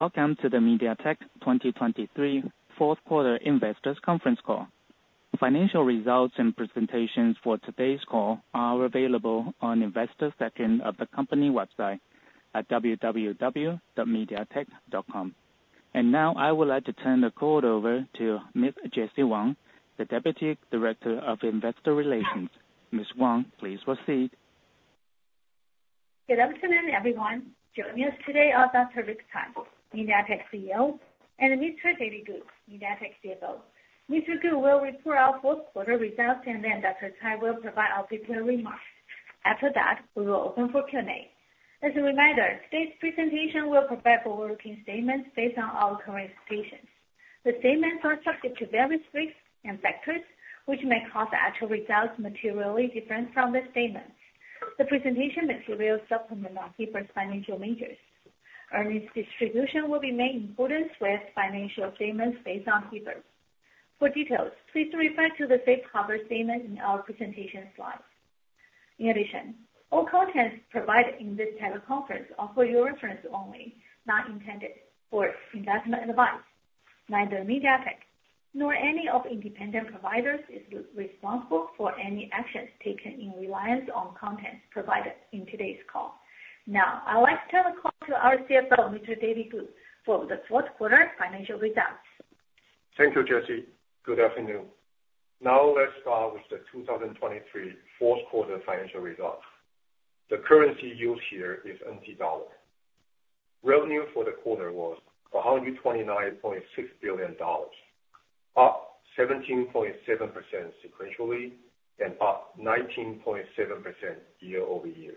Welcome to the MediaTek 2023 fourth quarter investors conference call. Financial results and presentations for today's call are available on Investor section of the company website at www.mediatek.com. And now, I would like to turn the call over to Ms. Jessie Wang, the Deputy Director of Investor Relations. Ms. Wang, please proceed. Good afternoon, everyone. Joining us today are Dr. Rick Tsai, MediaTek CEO, and Mr. David Ku, MediaTek CFO. Mr. Ku will report our fourth quarter results, and then Dr. Tsai will provide operational remarks. After that, we will open for Q&A. As a reminder, today's presentation will provide forward-looking statements based on our current expectations. The statements are subject to various risks and factors, which may cause the actual results materially different from the statements. The presentation material supplements our non-GAAP financial measures. Earnings distribution will be made in accordance with financial statements based on IFRS. For details, please refer to the safe harbor statement in our presentation slides. In addition, all content provided in this teleconference is for your reference only, not intended for investment advice. Neither MediaTek nor any of the independent providers is responsible for any actions taken in reliance on content provided in today's call. Now, I'd like to turn the call to our CFO, Mr. David Ku, for the fourth quarter financial results. Thank you, Jessie. Good afternoon. Now let's start with the 2023 fourth quarter financial results. The currency used here is NT dollar. Revenue for the quarter was 129.6 billion dollars, up 17.7% sequentially and up 19.7% year-over-year.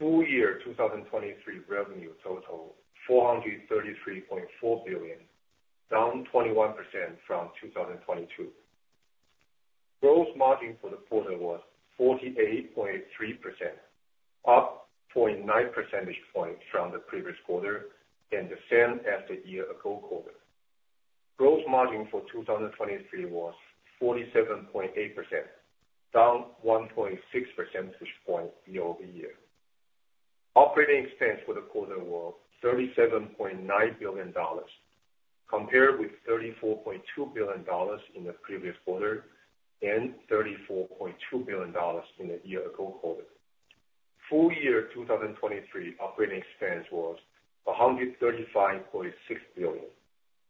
Full year 2023 revenue total 433.4 billion, down 21% from 2022. Gross margin for the quarter was 48.3%, up 0.9 percentage points from the previous quarter and the same as the year ago quarter. Gross margin for 2023 was 47.8%, down 1.6 percentage point year-over-year. Operating expense for the quarter was 37.9 billion dollars, compared with 34.2 billion dollars in the previous quarter and 34.2 billion dollars in the year ago quarter. Full year 2023 operating expense was NT$ 135.6 billion,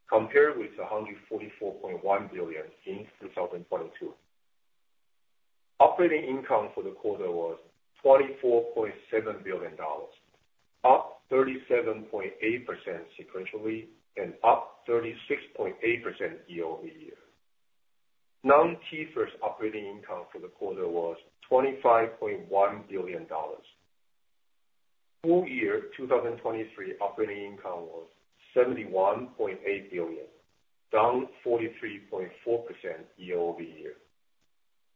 compared with NT$ 144.1 billion in 2022. Operating income for the quarter was NT$ 24.7 billion, up 37.8% sequentially and up 36.8% year-over-year. Non-GAAP operating income for the quarter was NT$ 25.1 billion. Full year 2023 operating income was NT$ 71.8 billion, down 43.4% year-over-year.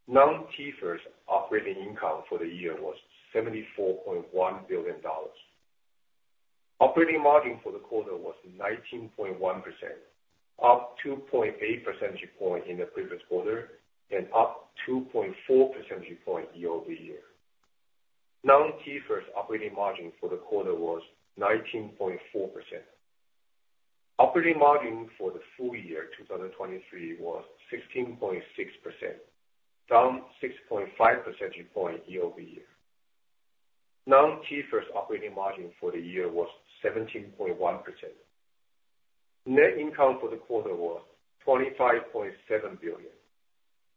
Non-GAAP operating income for the year was NT$ 74.1 billion. Operating margin for the quarter was 19.1%, up 2.8 percentage point in the previous quarter and up 2.4 percentage point year-over-year. Non-GAAP operating margin for the quarter was 19.4%. Operating margin for the full year 2023 was 16.6%, down 6.5 percentage point year-over-year. Non-GAAP operating margin for the year was 17.1%. Net income for the quarter was 25.7 billion,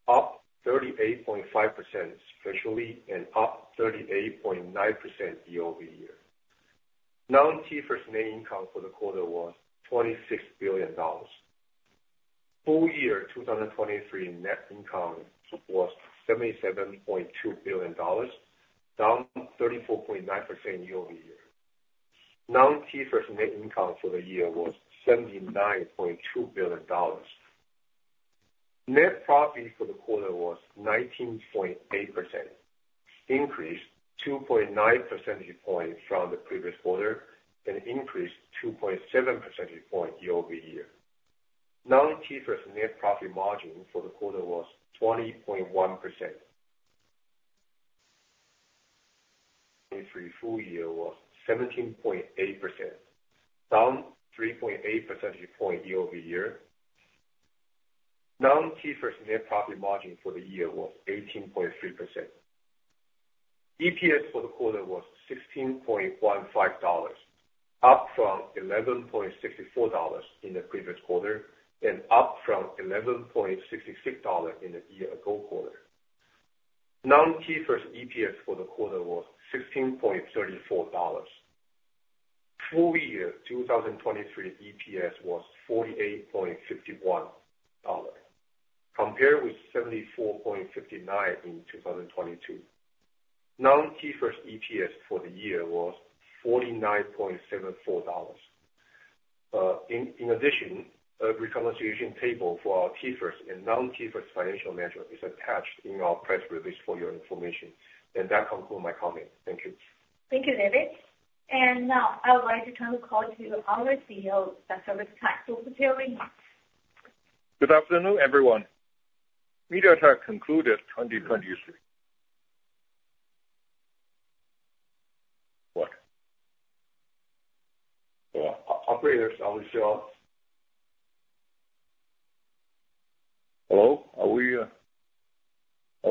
up 38.5% sequentially and up 38.9% year-over-year. Non-GAAP net income for the quarter was 26 billion dollars. Full year 2023 net income was 77.2 billion dollars, down 34.9% year-over-year. Non-GAAP net income for the year was 79.2 billion dollars. Net profit for the quarter was 19.8%, increased 2.9 percentage points from the previous quarter and increased 2.7 percentage point year-over-year. Non-GAAP net profit margin for the quarter was 20.1%. 2023 full year was 17.8%, down 3.8 percentage point year-over-year. Non-GAAP net profit margin for the year was 18.3%. EPS for the quarter was NT$16.15, up from NT$11.64 in the previous quarter and up from NT$11.66 in the year-ago quarter. Non-GAAP EPS for the quarter was NT$16.34. Full year 2023 EPS was NT$48.51, compared with NT$74.59 in 2022. Non-GAAP EPS for the year was NT$49.74. In addition, a reconciliation table for our GAAP and non-GAAP financial measure is attached in our press release for your information. And that concludes my comment. Thank you. Thank you, David. Now, I would like to turn the call to our CEO, Dr. Rick Tsai, for his remarks. Good afternoon, everyone. MediaTek concluded 2023.... What? Yeah, operators, are we still on? Hello, are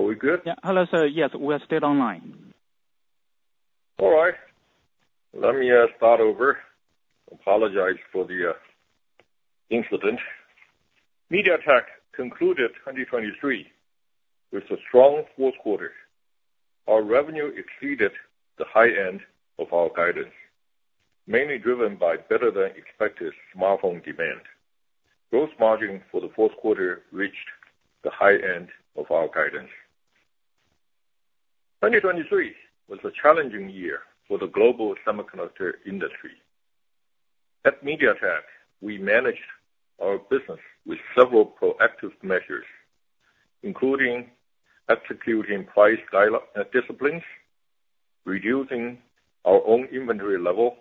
we good? Yeah. Hello, sir. Yes, we are still online. All right. Let me start over. Apologize for the incident. MediaTek concluded 2023 with a strong fourth quarter. Our revenue exceeded the high end of our guidance, mainly driven by better than expected smartphone demand. Gross margin for the fourth quarter reached the high end of our guidance. 2023 was a challenging year for the global semiconductor industry. At MediaTek, we managed our business with several proactive measures, including executing price disciplines, reducing our own inventory level,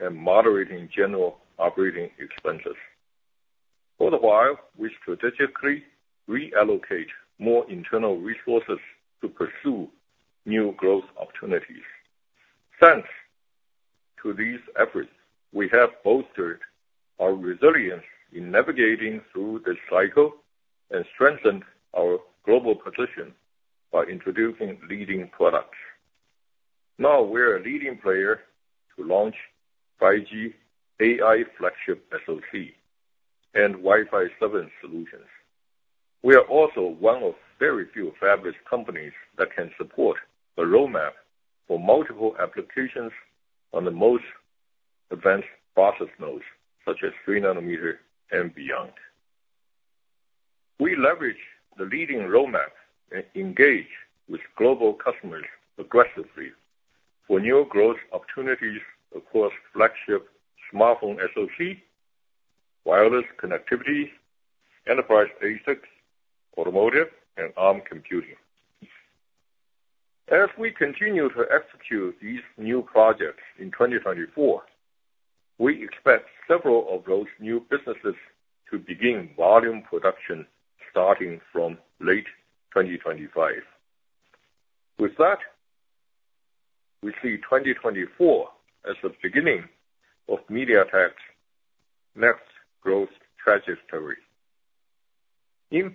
and moderating general operating expenses. All the while, we strategically reallocate more internal resources to pursue new growth opportunities. Thanks to these efforts, we have bolstered our resilience in navigating through this cycle and strengthened our global position by introducing leading products. Now, we're a leading player to launch 5G AI flagship SoC and Wi-Fi 7 solutions. We are also one of very few fabless companies that can support a roadmap for multiple applications on the most advanced process nodes, such as 3 nanometer and beyond. We leverage the leading roadmap and engage with global customers aggressively for new growth opportunities across flagship smartphone SoC, wireless connectivity, enterprise ASICs, automotive, and Arm computing. As we continue to execute these new projects in 2024, we expect several of those new businesses to begin volume production starting from late 2025. With that, we see 2024 as the beginning of MediaTek's next growth trajectory. In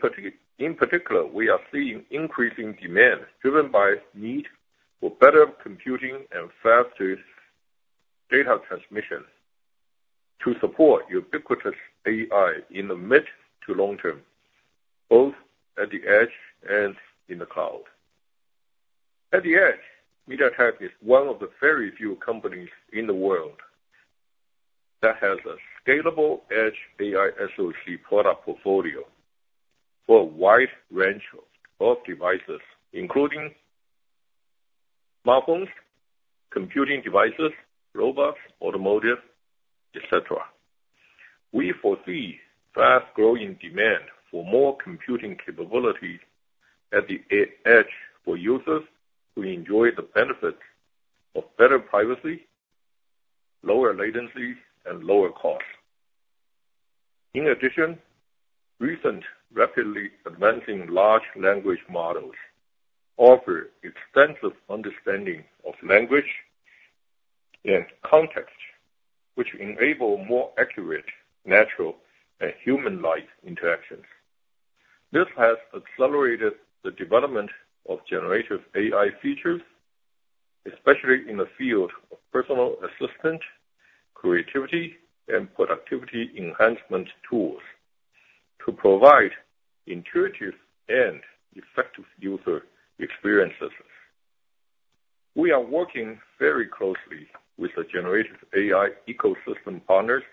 particular, we are seeing increasing demand, driven by need for better computing and faster data transmission to support ubiquitous AI in the mid to long term, both at the edge and in the cloud. At the edge, MediaTek is one of the very few companies in the world that has a scalable edge AI SoC product portfolio for a wide range of devices, including smartphones, computing devices, robots, automotive, et cetera. We foresee fast growing demand for more computing capabilities at the edge for users to enjoy the benefit of better privacy, lower latency, and lower cost. In addition, recent rapidly advancing large language models offer extensive understanding of language and context, which enable more accurate, natural, and human-like interactions. This has accelerated the development of generative AI features, especially in the field of personal assistant, creativity, and productivity enhancement tools to provide intuitive and effective user experiences. We are working very closely with the generative AI ecosystem partners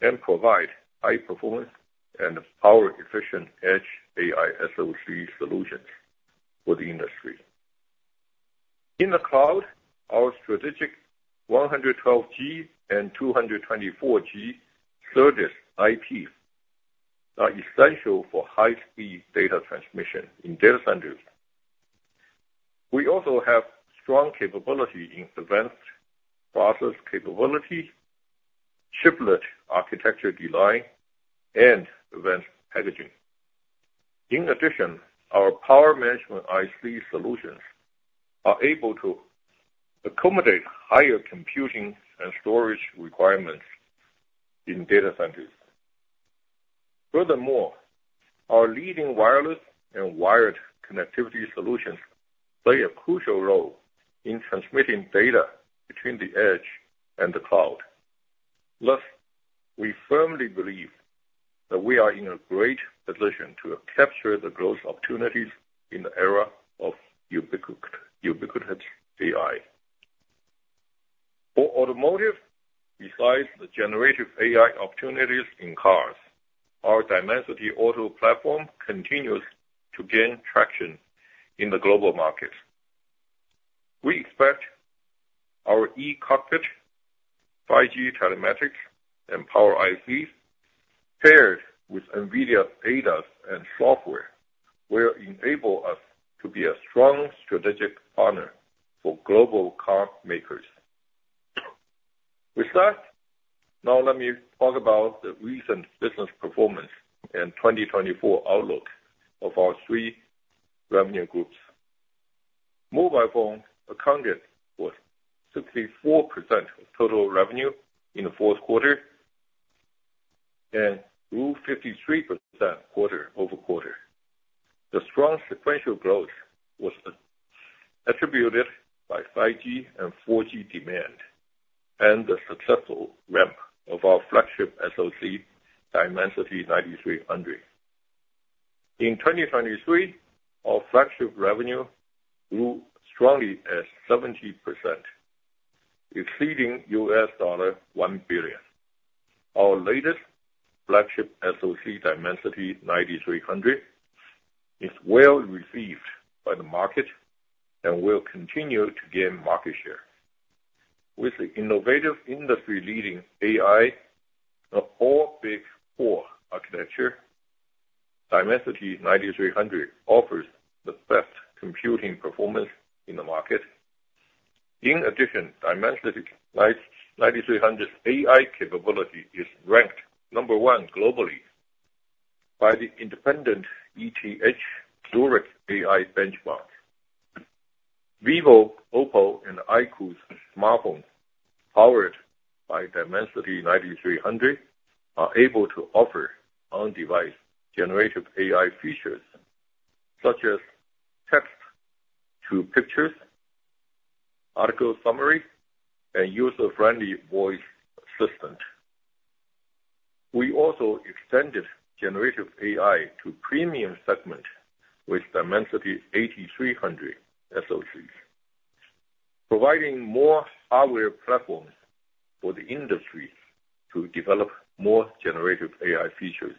and provide high performance and power efficient edge AI SoC solutions for the industry. In the cloud, our strategic 112G and 224G SerDes IP are essential for high-speed data transmission in data centers. We also have strong capability in advanced process capabilities, chiplet architecture design, and advanced packaging. In addition, our power management IC solutions are able to accommodate higher computing and storage requirements in data centers. Furthermore, our leading wireless and wired connectivity solutions play a crucial role in transmitting data between the edge and the cloud. Thus, we firmly believe that we are in a great position to capture the growth opportunities in the era of ubiquitous AI. For automotive, besides the generative AI opportunities in cars, our Dimensity Auto platform continues to gain traction in the global market. We expect our e-cockpit, 5G telematics, and Power ICs, paired with NVIDIA's ADAS and software, will enable us to be a strong strategic partner for global car makers... With that, now let me talk about the recent business performance and 2024 outlook of our three revenue groups. Mobile phone accounted for 64% of total revenue in the fourth quarter, and grew 53% quarter-over-quarter. The strong sequential growth was attributed by 5G and 4G demand and the successful ramp of our flagship SoC, Dimensity 9300. In 2023, our flagship revenue grew strongly 70%, exceeding $1 billion. Our latest flagship SoC, Dimensity 9300, is well received by the market and will continue to gain market share. With the innovative industry-leading AI, the all big core architecture, Dimensity 9300 offers the best computing performance in the market. In addition, Dimensity 9300's AI capability is ranked number 1 globally by the independent ETH Zurich AI Benchmark. vivo, OPPO, and iQOO's smartphone, powered by Dimensity 9300, are able to offer on-device generative AI features, such as text to pictures, article summary, and user-friendly voice assistant. We also extended generative AI to premium segment with Dimensity 8300 SoCs, providing more hardware platforms for the industry to develop more generative AI features.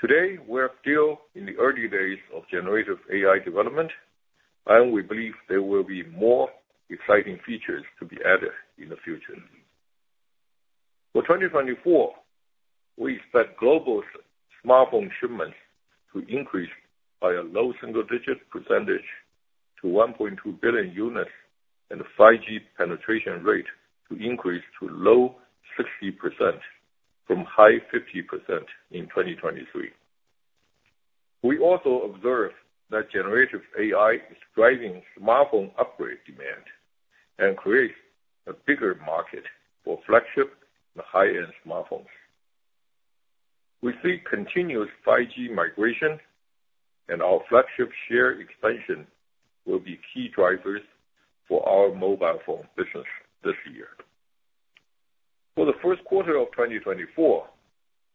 Today, we're still in the early days of generative AI development, and we believe there will be more exciting features to be added in the future. For 2024, we expect global smartphone shipments to increase by a low single-digit percentage to 1.2 billion units, and the 5G penetration rate to increase to low 60% from high 50% in 2023. We also observe that generative AI is driving smartphone upgrade demand and creates a bigger market for flagship and high-end smartphones. We see continuous 5G migration and our flagship share expansion will be key drivers for our Mobile Phone business this year. For the first quarter of 2024,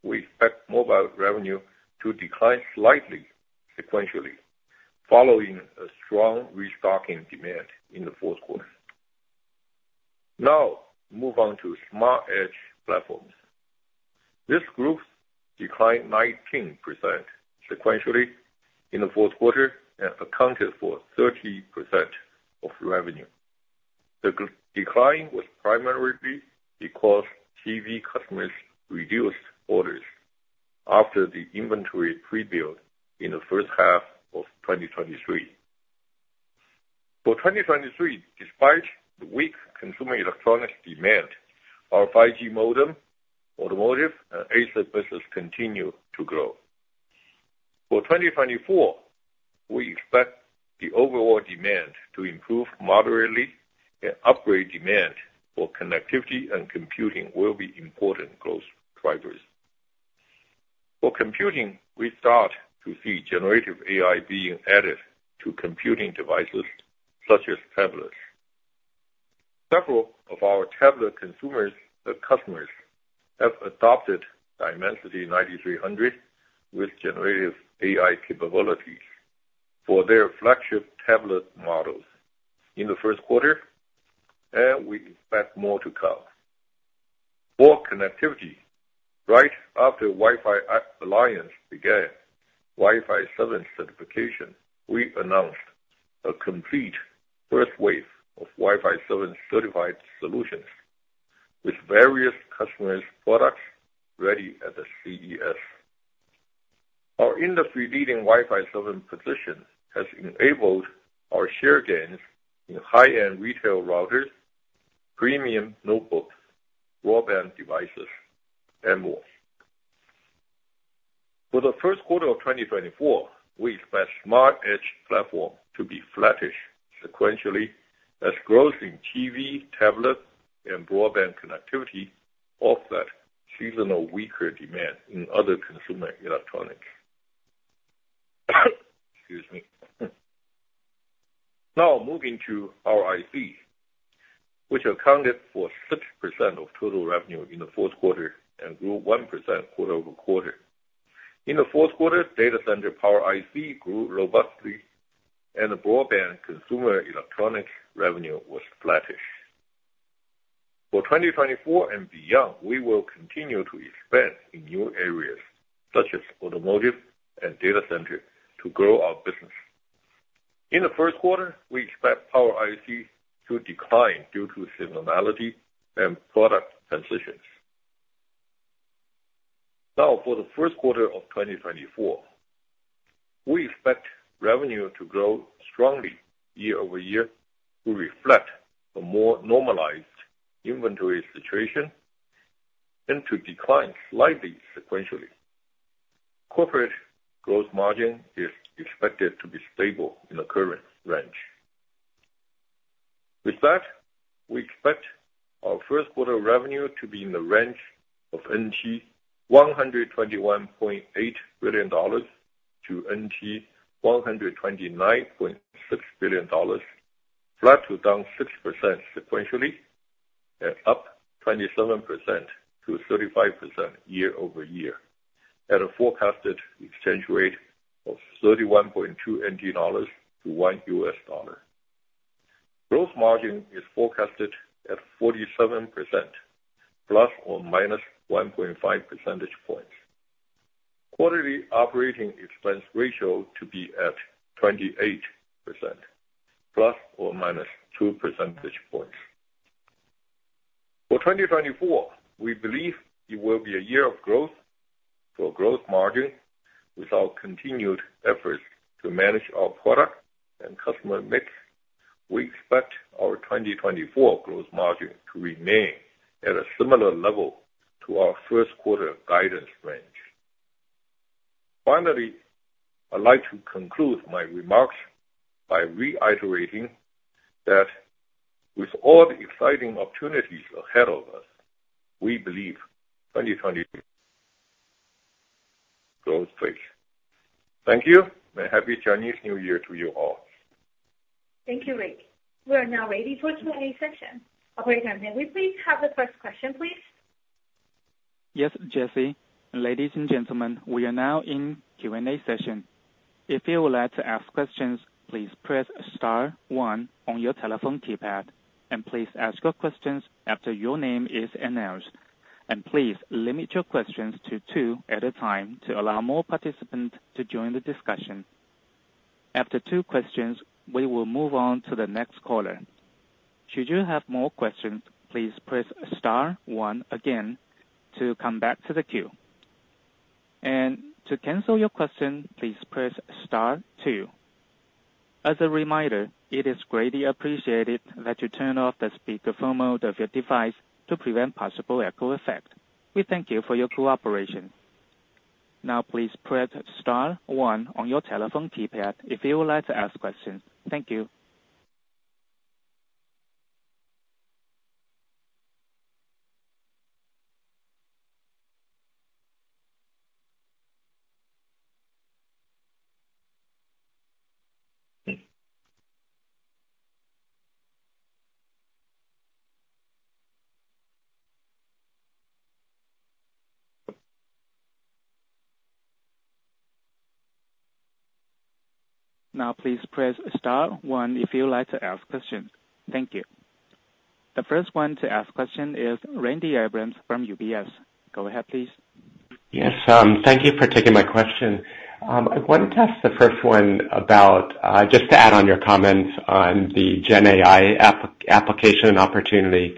we expect mobile revenue to decline slightly sequentially, following a strong restocking demand in the fourth quarter. Now, move on to Smart Edge Platforms. This group declined 19% sequentially in the fourth quarter and accounted for 30% of revenue. The decline was primarily because TV customers reduced orders after the inventory pre-build in the first half of 2023. For 2023, despite the weak consumer electronics demand, our 5G modem, automotive, and ASIC business continued to grow. For 2024, we expect the overall demand to improve moderately, and upgrade demand for connectivity and computing will be important growth drivers. For computing, we start to see generative AI being added to computing devices, such as tablets. Several of our tablet consumers, customers have adopted Dimensity 9300 with generative AI capabilities for their flagship tablet models in the first quarter, and we expect more to come. For connectivity, right after Wi-Fi Alliance began Wi-Fi 7 certification, we announced a complete first wave of Wi-Fi 7 certified solutions with various customers' products ready at the CES. Our industry-leading Wi-Fi 7 position has enabled our share gains in high-end retail routers, premium notebooks, broadband devices, and more. For the first quarter of 2024, we expect smart edge platform to be flattish sequentially, as growth in TV, tablet, and broadband connectivity offset seasonal weaker demand in other consumer electronics. Excuse me. Now, moving to our IC, which accounted for 60% of total revenue in the fourth quarter and grew 1% quarter-over-quarter. In the fourth quarter, data center Power IC grew robustly, and the broadband consumer electronic revenue was flattish. For 2024 and beyond, we will continue to expand in new areas, such as automotive and data center, to grow our business. In the first quarter, we expect Power IC to decline due to seasonality and product transitions. Now, for the first quarter of 2024, we expect revenue to grow strongly year-over-year, to reflect a more normalized inventory situation and to decline slightly sequentially. Gross margin is expected to be stable in the current range. With that, we expect our first quarter revenue to be in the range of 121.8 billion-129.6 billion NT, flat to down 6% sequentially, and up 27%-35% year-over-year, at a forecasted exchange rate of 31.2 NT dollars to 1 US dollar. Gross margin is forecasted at 47% ±1.5 percentage points. Operating expense ratio to be at 28% ±2 percentage points. For 2024, we believe it will be a year of growth. For gross margin, with our continued efforts to manage our product and customer mix, we expect our 2024 gross margin to remain at a similar level to our first quarter guidance range. Finally, I'd like to conclude my remarks by reiterating that with all the exciting opportunities ahead of us, we believe 2023 growth stage. Thank you, and Happy Chinese New Year to you all. Thank you, Rick. We are now ready for Q&A session. Operator, may we please have the first question, please? Yes, Jessie. Ladies and gentlemen, we are now in Q&A session. If you would like to ask questions, please press star one on your telephone keypad, and please ask your questions after your name is announced. Please limit your questions to two at a time to allow more participants to join the discussion. After two questions, we will move on to the next caller. Should you have more questions, please press star one again to come back to the queue. To cancel your question, please press star two. As a reminder, it is greatly appreciated that you turn off the speakerphone mode of your device to prevent possible echo effect. We thank you for your cooperation. Now, please press star one on your telephone keypad if you would like to ask questions. Thank you. Now, please press star one if you would like to ask questions. Thank you. The first one to ask question is Randy Abrams from UBS. Go ahead, please. Yes, thank you for taking my question. I wanted to ask the first one about, just to add on your comments on the Gen AI application opportunity.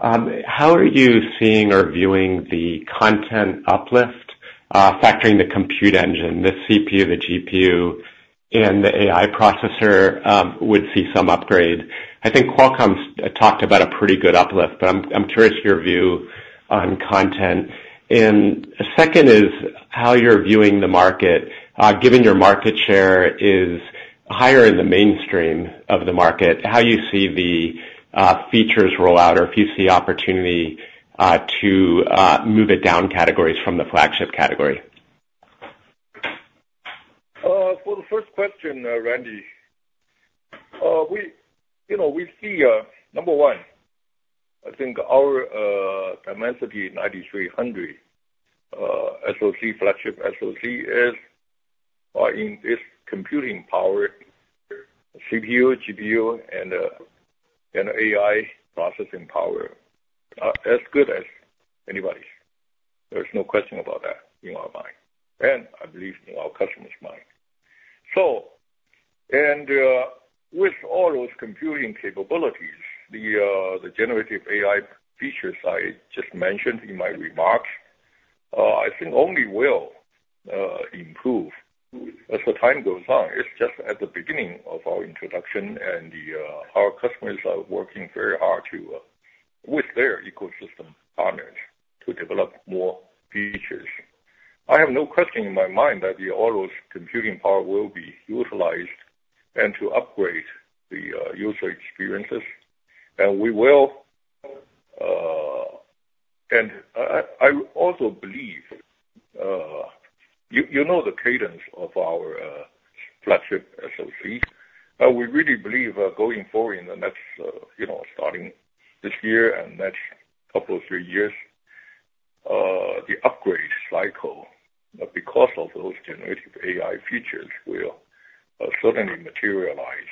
How are you seeing or viewing the content uplift, factoring the compute engine, the CPU, the GPU, and the AI processor, would see some upgrade? I think Qualcomm's talked about a pretty good uplift, but I'm curious your view on content. And second is, how you're viewing the market, given your market share is higher in the mainstream of the market, how you see the features roll out, or if you see opportunity to move it down categories from the flagship category? For the first question, Randy, we, you know, we see, number one, I think our Dimensity 9300 SoC, flagship SoC, is in its computing power, CPU, GPU, and AI processing power, as good as anybody's. There's no question about that in our mind, and I believe in our customer's mind. So, with all those computing capabilities, the generative AI features I just mentioned in my remarks, I think only will improve as the time goes on. It's just at the beginning of our introduction, and our customers are working very hard with their ecosystem partners to develop more features. I have no question in my mind that all those computing power will be utilized to upgrade the user experiences, and we will... I also believe you know the cadence of our flagship SoC. We really believe, going forward in the next, you know, starting this year and next couple of three years, the upgrade cycle, because of those Generative AI features, will certainly materialize,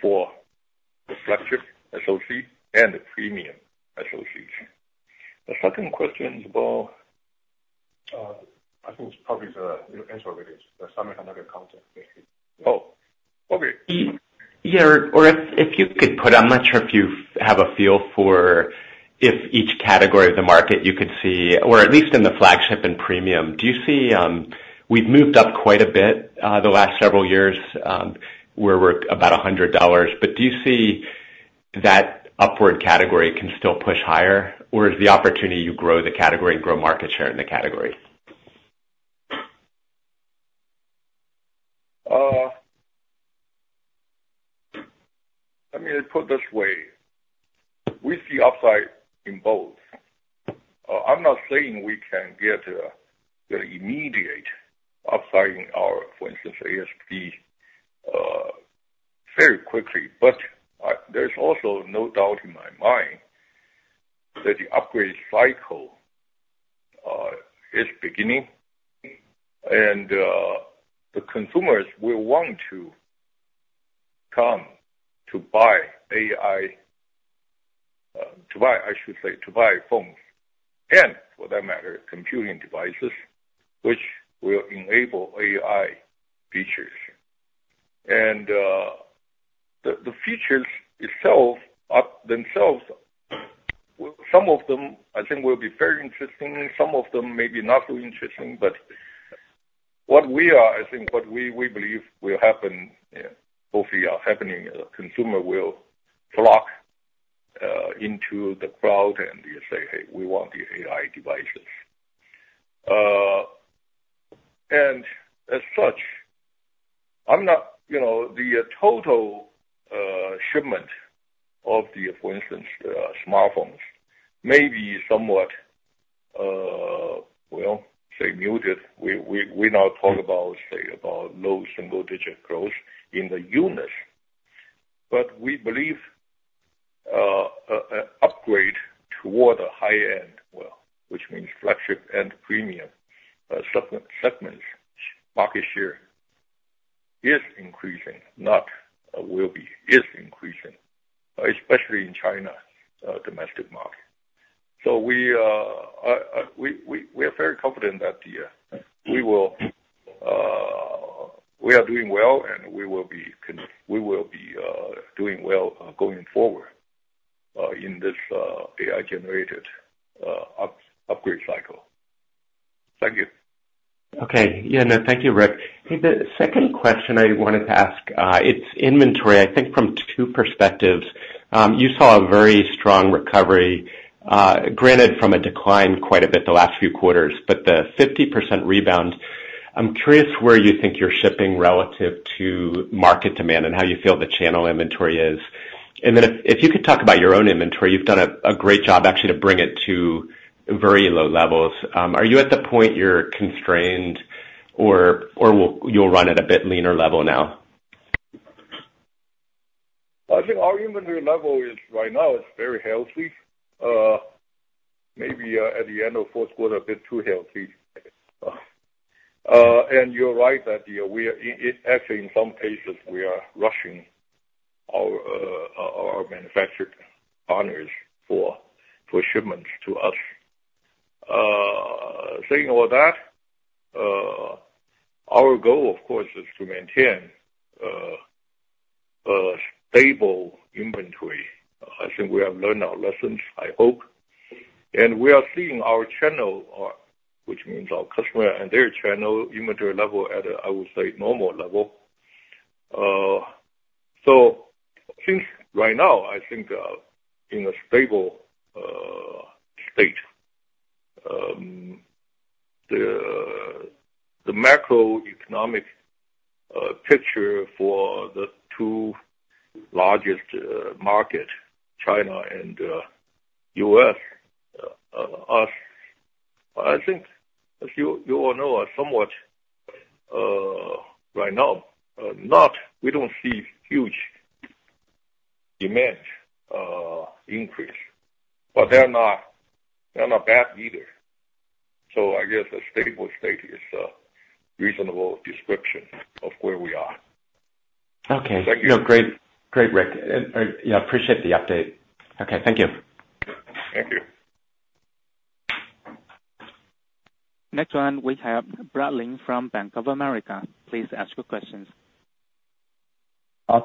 for the flagship SoC and the premium SoCs. The second question about?... I think it's probably the answer with the summit. Oh, okay. Yeah, or if you could put, I'm not sure if you have a feel for if each category of the market you could see, or at least in the flagship and premium, do you see, we've moved up quite a bit the last several years, where we're about $100, but do you see that upward category can still push higher? Or is the opportunity you grow the category and grow market share in the category? Let me put it this way. We see upside in both. I'm not saying we can get the immediate upside in our, for instance, ASP, very quickly, but there's also no doubt in my mind that the upgrade cycle is beginning, and the consumers will want to come to buy AI, to buy, I should say, to buy phones and, for that matter, computing devices, which will enable AI features. And the features itself, are themselves, some of them I think will be very interesting, some of them maybe not so interesting. But what we are, I think what we believe will happen, hopefully are happening, consumer will flock into the crowd and they say, "Hey, we want the AI devices." And as such, I'm not, you know, the total shipment of the, for instance, smartphones may be somewhat, well, say, muted. We now talk about, say, about low single digit growth in the units. But we believe a upgrade toward the high end, well, which means flagship and premium segments market share is increasing, not will be, is increasing, especially in China domestic market. So we are very confident that we will... We are doing well, and we will be doing well going forward in this AI-generated upgrade cycle. Thank you. Okay. Yeah, no, thank you, Rick. The second question I wanted to ask, it's inventory, I think from two perspectives. You saw a very strong recovery, granted from a decline quite a bit the last few quarters, but the 50% rebound, I'm curious where you think you're shipping relative to market demand and how you feel the channel inventory is. And then if, if you could talk about your own inventory, you've done a great job actually to bring it to very low levels. Are you at the point you're constrained, or, or will you'll run at a bit leaner level now? I think our inventory level right now is very healthy. Maybe at the end of fourth quarter, a bit too healthy. And you're right that, yeah, we are—actually, in some cases, we are rushing our manufacturer partners for shipments to us. Saying all that, our goal, of course, is to maintain a stable inventory. I think we have learned our lessons, I hope. And we are seeing our channel, or which means our customer and their channel, inventory level at a—I would say—normal level. So since right now, I think, in a stable state, the macroeconomic picture for the two largest market, China and U.S., are, I think, as you all know, are somewhat right now not... We don't see huge demand increase, but they're not, they're not bad either. So I guess a stable state is a reasonable description of where we are. Okay. Thank you. Yeah, great. Great, Rick. And, yeah, appreciate the update. Okay. Thank you. Thank you. Next one, we have Brad Lin from Bank of America. Please ask your questions.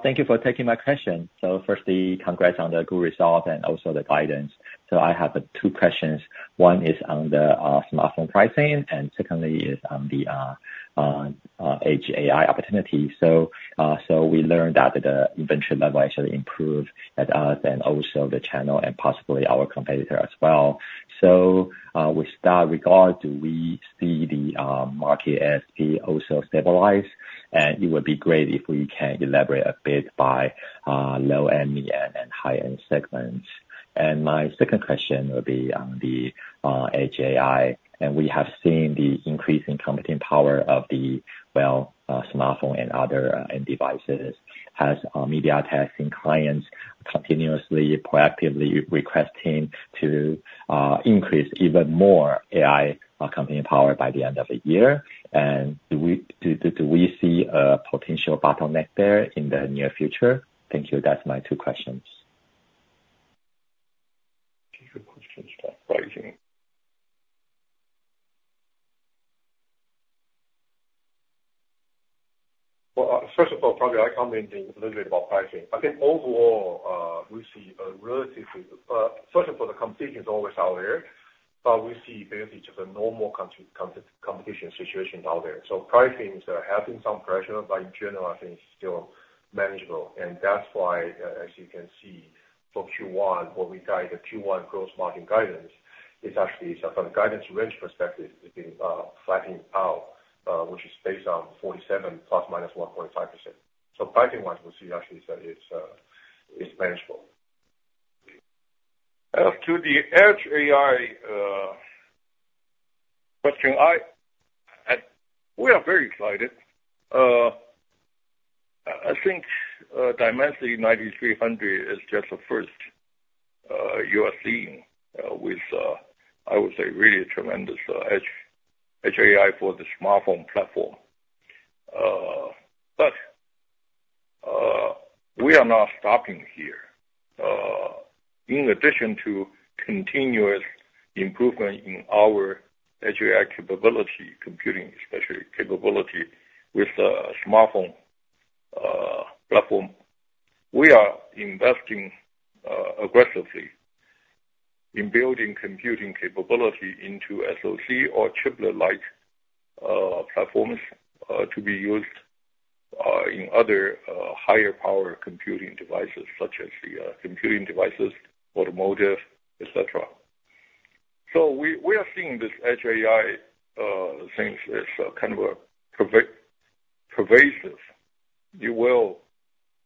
Thank you for taking my question. Firstly, congrats on the good result and also the guidance. I have two questions. One is on the smartphone pricing, and secondly is on the Edge AI opportunity. We learned that the inventory level actually improved at ASUS and also the channel and possibly our competitor as well. With that regard, do we see the market ASP also stabilize? And it would be great if we can elaborate a bit by low-end, mid-end, and high-end segments. My second question would be on the AI, and we have seen the increase in computing power of the, well, smartphone and other end devices. Has our MediaTek clients continuously proactively requesting to increase even more AI computing power by the end of the year? Do we see a potential bottleneck there in the near future? Thank you. That's my two questions.... Good question about pricing. Well, first of all, probably I comment a little bit about pricing. I think overall, we see a relatively, first of all, the competition is always out there, but we see basically just a normal competition situation out there. So pricing is having some pressure, but in general, I think it's still manageable. And that's why, as you can see, for Q1, what we guide, the Q1 gross margin guidance, is actually from a guidance range perspective, it's been flattening out, which is based on 47 ± 1.5%. So pricing-wise, we see actually that it's manageable. To the Edge AI question, we are very excited. I think Dimensity 9300 is just the first you are seeing with I would say really tremendous Edge AI for the smartphone platform. But we are not stopping here. In addition to continuous improvement in our Edge AI capability, computing especially, capability with the smartphone platform, we are investing aggressively in building computing capability into SoC or chiplet-like platforms to be used in other higher power computing devices, such as the computing devices, automotive, et cetera. So we are seeing this Edge AI things as kind of a pervasive. You will...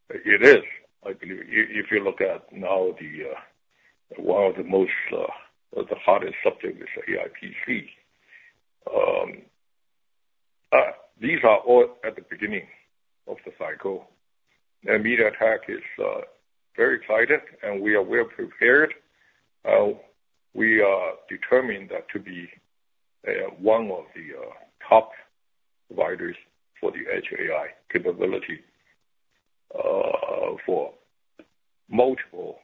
It is, I believe. If you look at now the one of the most the hottest subject is AI PC. These are all at the beginning of the cycle, and MediaTek is very excited, and we are well prepared. We are determined that to be one of the top providers for the Edge AI capability for multiple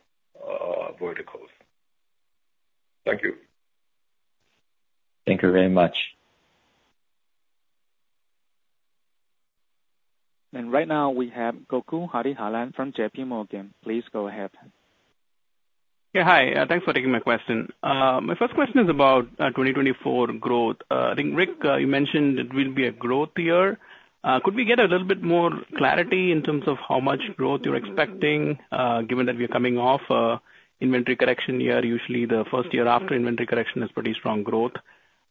verticals. Thank you. Thank you very much. And right now we have Gokul Hariharan from JP Morgan. Please go ahead. Yeah, hi. Thanks for taking my question. My first question is about 2024 growth. I think, Rick, you mentioned it will be a growth year. Could we get a little bit more clarity in terms of how much growth you're expecting, given that we are coming off an inventory correction year? Usually, the first year after inventory correction is pretty strong growth.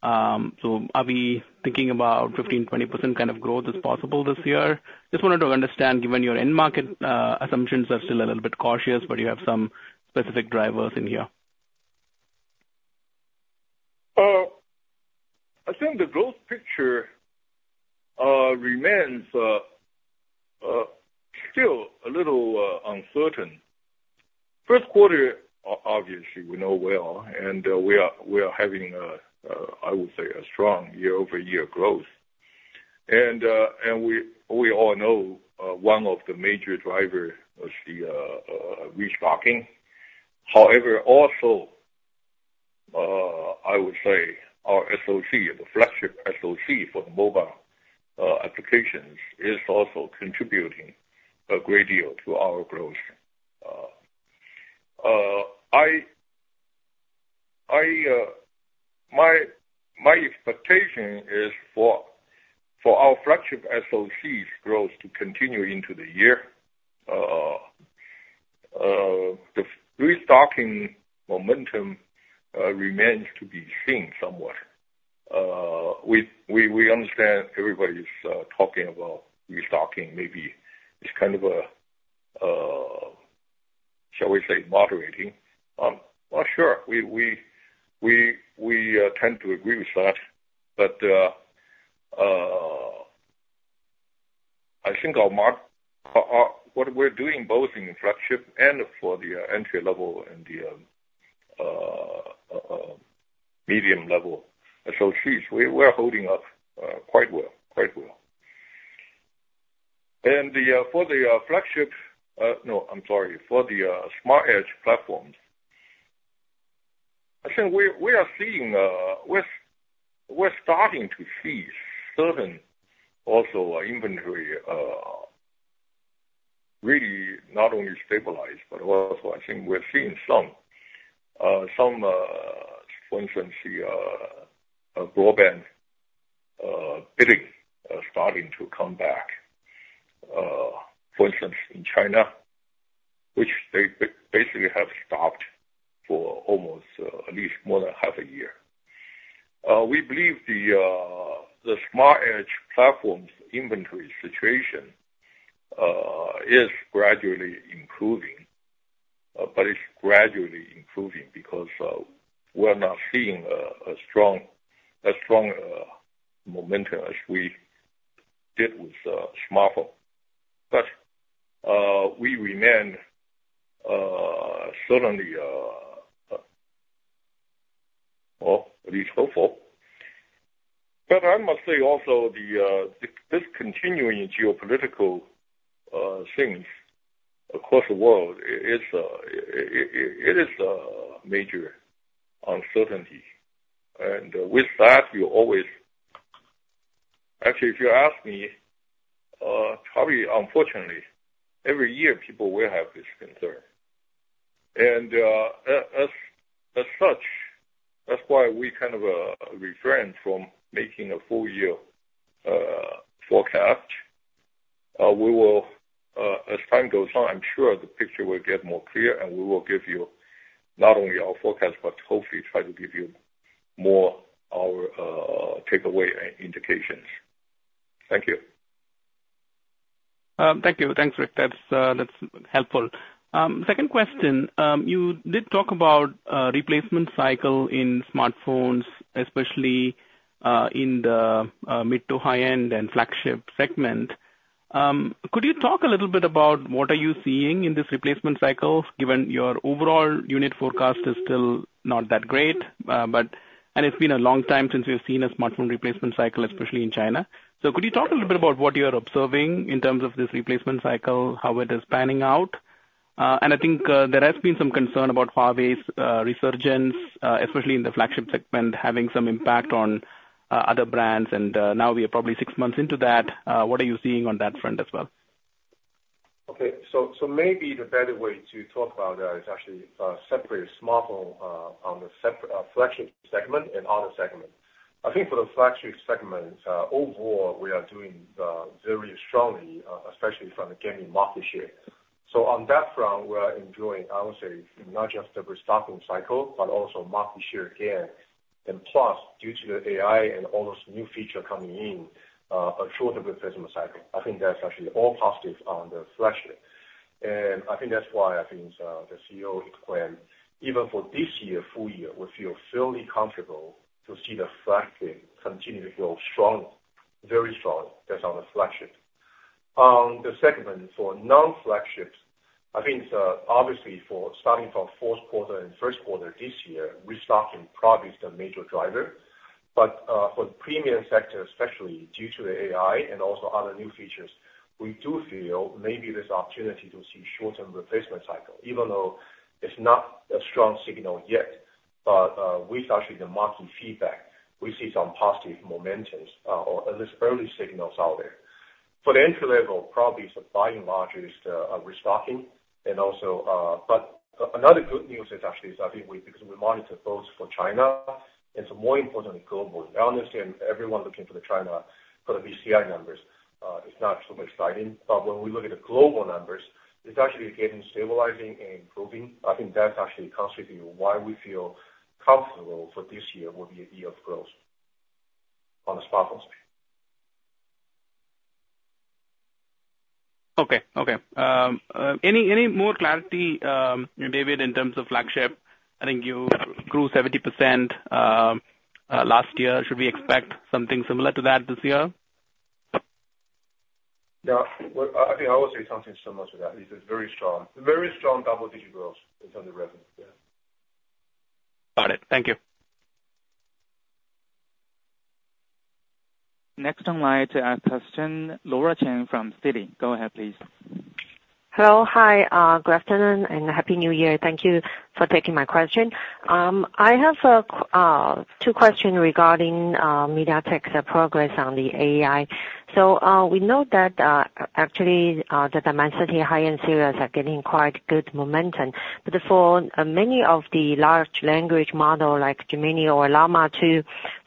So are we thinking about 15%-20% kind of growth is possible this year? Just wanted to understand, given your end market assumptions are still a little bit cautious, but you have some specific drivers in here. I think the growth picture remains still a little uncertain. First quarter, obviously, we know well, and we are having, I would say, a strong year-over-year growth. We all know one of the major driver was the restocking. However, also, I would say our SoC, the flagship SoC for the mobile applications, is also contributing a great deal to our growth. My expectation is for our flagship SoCs growth to continue into the year. The restocking momentum remains to be seen somewhat. We understand everybody's talking about restocking. Maybe it's kind of a shall we say, moderating. Well, sure, we tend to agree with that, but I think our market what we're doing both in the flagship and for the entry level and the medium level associates, we're holding up quite well. Quite well. And for the flagship, no, I'm sorry, for the smart edge platforms, I think we are seeing, we're starting to see certain also inventory really not only stabilize, but also I think we're seeing some for instance, the broadband bidding starting to come back. For instance, in China, which they basically have stopped for almost at least more than half a year. We believe the Small Edge Platforms inventory situation is gradually improving, but it's gradually improving because we're not seeing a strong momentum as we did with smartphone. But we remain certainly or at least hopeful. But I must say also, the continuing geopolitical things across the world, it is a major uncertainty, and with that, you always. Actually, if you ask me, probably unfortunately, every year people will have this concern. And as such, that's why we kind of refrain from making a full year forecast. We will, as time goes on, I'm sure the picture will get more clear, and we will give you not only our forecast, but hopefully try to give you more our takeaway and indications. Thank you. Thank you. Thanks, Rick. That's helpful. Second question, you did talk about replacement cycle in smartphones, especially in the mid to high end and flagship segment. Could you talk a little bit about what are you seeing in this replacement cycle, given your overall unit forecast is still not that great, but. And it's been a long time since we've seen a smartphone replacement cycle, especially in China. So could you talk a little bit about what you are observing in terms of this replacement cycle, how it is panning out? And I think there has been some concern about Huawei's resurgence, especially in the flagship segment, having some impact on other brands, and now we are probably six months into that. What are you seeing on that front as well? Okay. Maybe the better way to talk about that is actually separate smartphone on the flagship segment and other segment. I think for the flagship segment, overall, we are doing very strongly, especially from the gaining market share. So on that front, we are enjoying, I would say, not just the restocking cycle, but also market share gain. And plus, due to the AI and all those new feature coming in, a short replacement cycle. I think that's actually all positive on the flagship. And I think that's why I think the CEO claimed, even for this year, full year, we feel fairly comfortable to see the flagship continue to grow strongly. Very strongly. That's on the flagship. On the segment for non-flagships, I think, obviously for starting from fourth quarter and first quarter this year, restocking probably is the major driver. For the premium sector, especially due to the AI and also other new features, we do feel maybe there's opportunity to see short-term replacement cycle, even though it's not a strong signal yet. With actually the market feedback, we see some positive momentums, or at least early signals out there. For the entry level, probably it's by and large, restocking and also... Another good news actually, I think we, because we monitor both for China and so more importantly, globally. I understand everyone looking to the China for the BCI numbers, it's not so exciting, but when we look at the global numbers, it's actually getting stabilizing and improving. I think that's actually contributing why we feel comfortable for this year will be a year of growth on the smartphone space. Okay. Okay, any more clarity, David, in terms of flagship? I think you grew 70% last year. Should we expect something similar to that this year? Yeah. Well, I, I think I would say something similar to that. It is very strong. Very strong double-digit growth in terms of revenue, yeah. Got it. Thank you. Next on line to ask question, Laura Chen from Citi. Go ahead, please. Hello. Hi, good afternoon and Happy New Year. Thank you for taking my question. I have two questions regarding MediaTek's progress on the AI. So, we know that actually the Dimensity high-end series are getting quite good momentum, but for many of the large language model, like Gemini or Llama 2,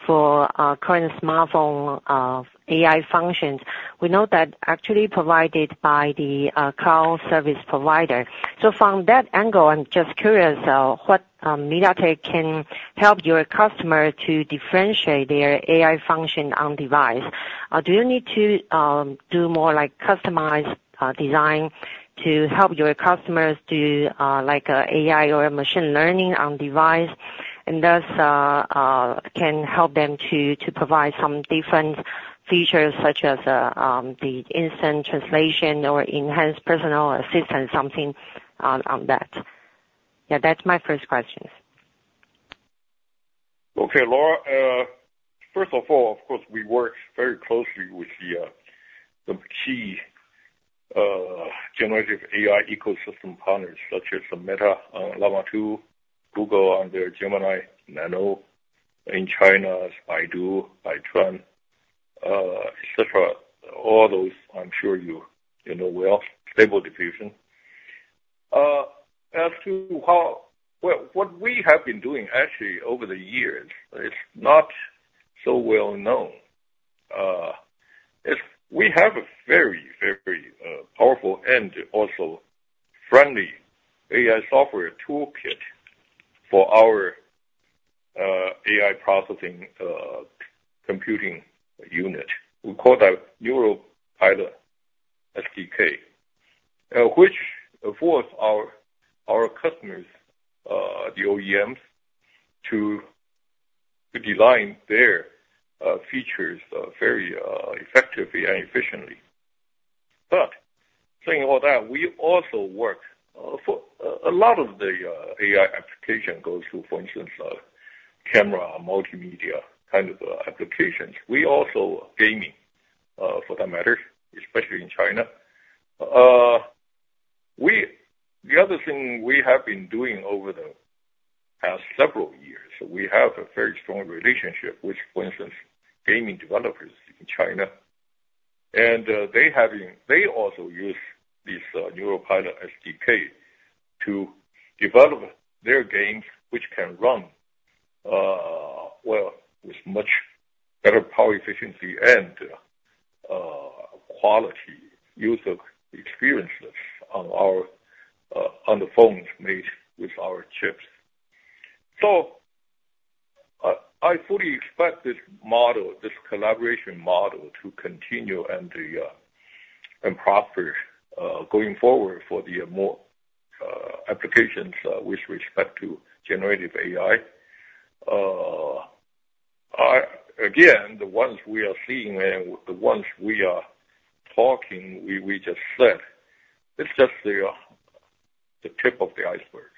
for current smartphone AI functions, we know that actually provided by the cloud service provider. So from that angle, I'm just curious what MediaTek can help your customer to differentiate their AI function on device? Do you need to do more, like, customized design to help your customers do, like, AI or machine learning on device, and thus, can help them to provide some different features, such as, the instant translation or enhanced personal assistance, something on that? Yeah, that's my first questions. Okay, Laura. First of all, of course, we work very closely with the key generative AI ecosystem partners such as Meta, Llama 2, Google on their Gemini Nano in China, Baidu, Hitron, et cetera. All those, I'm sure you know well, Stable Diffusion. As to how... Well, what we have been doing actually over the years, it's not so well known. Is we have a very, very powerful and also friendly AI software toolkit for our AI processing computing unit. We call that NeuroPilot SDK, which affords our customers the OEMs to design their features very effectively and efficiently.... Saying all that, we also work for a lot of the AI application goes through, for instance, camera, multimedia, kind of applications. We also gaming, for that matter, especially in China. The other thing we have been doing over the several years, we have a very strong relationship with, for instance, gaming developers in China. They have been, they also use this NeuroPilot SDK to develop their games, which can run well with much better power efficiency and quality user experiences on the phones made with our chips. I fully expect this model, this collaboration model, to continue and prosper going forward for the more applications with respect to generative AI. I, again, the ones we are seeing and the ones we are talking, we just said, it's just the tip of the iceberg.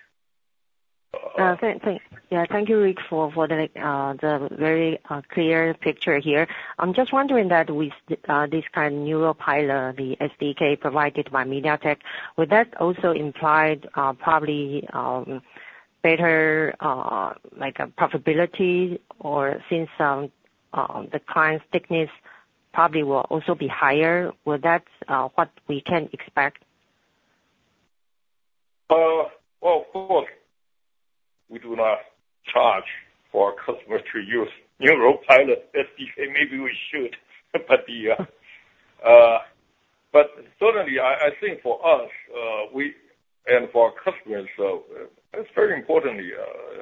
Yeah, thank you, Rick, for the very clear picture here. I'm just wondering that with this kind of NeuroPilot, the SDK provided by MediaTek, would that also implied probably better like a profitability or since the client thickness probably will also be higher? Well, that's what we can expect? Well, of course, we do not charge for our customers to use NeuroPilot SDK. Maybe we should, but... But certainly, I, I think for us, we, and for our customers, it's very importantly,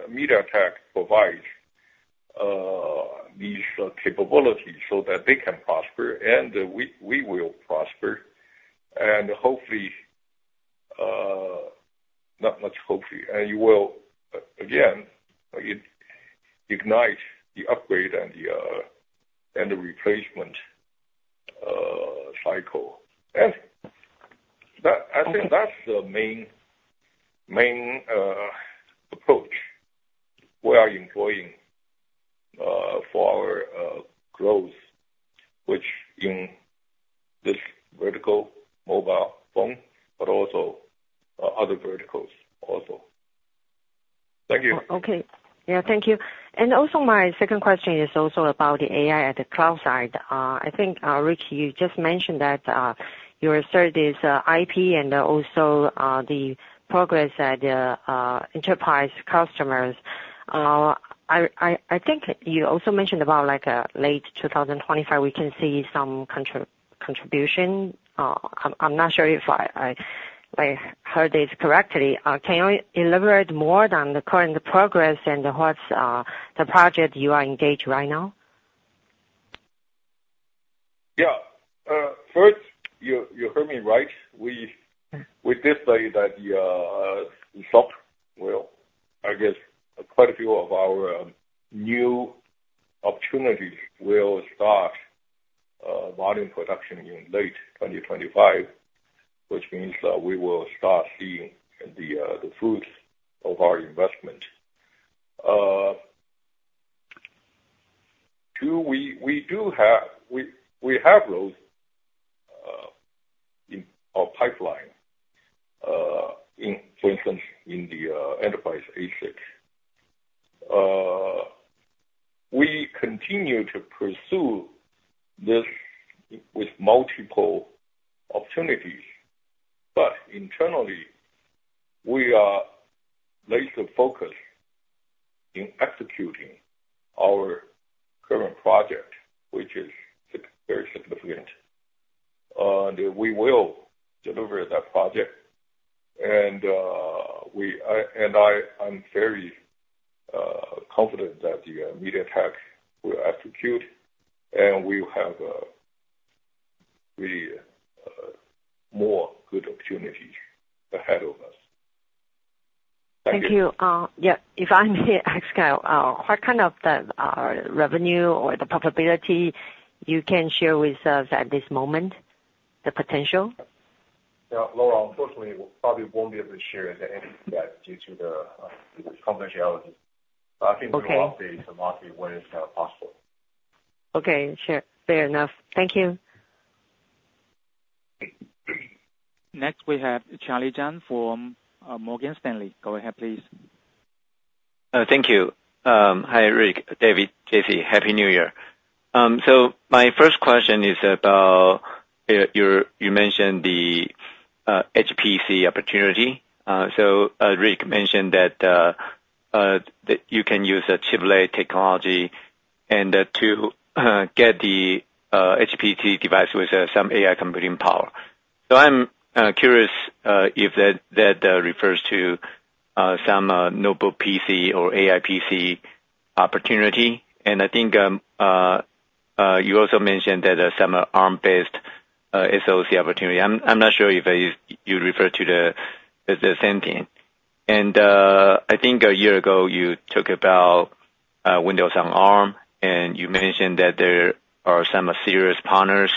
MediaTek provides, these, capabilities so that they can prosper, and we, we will prosper. And hopefully, not much hopefully, and you will, again, ignite the upgrade and the, and the replacement, cycle. And that- Okay. I think that's the main approach we are employing for our growth, which in this vertical mobile phone, but also other verticals also. Thank you. Okay. Yeah, thank you. And also my second question is also about the AI at the cloud side. I think, Rick, you just mentioned that, your service, IP and also, the progress at the, enterprise customers. I think you also mentioned about, like, a late 2025, we can see some contribution. I'm not sure if I heard this correctly. Can you elaborate more on the current progress and what's, the project you are engaged right now? Yeah. First, you heard me right. We did say that the software, well, I guess quite a few of our new opportunities will start volume production in late 2025, which means that we will start seeing the fruits of our investment. Two, we do have. We have those in our pipeline, in, for instance, in the enterprise ASIC. We continue to pursue this with multiple opportunities, but internally, we are laser focused in executing our current project, which is very significant. We will deliver that project. And we, I, and I, I'm very confident that the MediaTek will execute, and we will have more good opportunities ahead of us. Thank you. Yeah, if I may ask, what kind of the revenue or the profitability you can share with us at this moment, the potential? Yeah, Laura, unfortunately, we probably won't be able to share the impact due to the confidentiality. Okay. I think we will update the market when it's possible. Okay, sure. Fair enough. Thank you. Next, we have Charlie Chan from Morgan Stanley. Go ahead, please. Thank you. Hi, Rick, David, Jessie. Happy New Year. So my first question is about, you mentioned the HPC opportunity. So, Rick mentioned that you can use a Chiplet technology and to get the HPC device with some AI computing power. So I'm curious if that refers to some notebook PC or AI PC opportunity. And I think you also mentioned that some ARM-based SoC opportunity. I'm not sure if you refer to the same thing... And I think a year ago, you talked about Windows on ARM, and you mentioned that there are some serious partners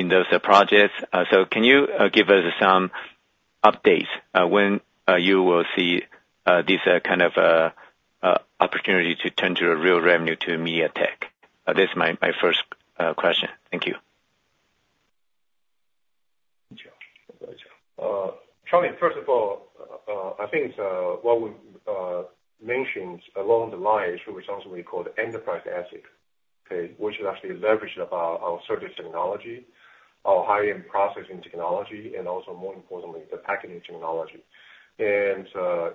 in those projects. So, can you give us some updates when you will see these kind of opportunity to turn to a real revenue to MediaTek? This is my, my first question. Thank you. Charlie, first of all, I think it's what we mentioned along the lines, which is also we called enterprise asset, okay? Which is actually leverage of our circuit technology, our high-end processing technology, and also more importantly, the packaging technology. And